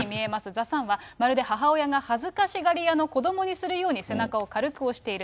ザ・サンは、まるで母親が恥ずかしがり屋の子どもにするように背中を軽く押している。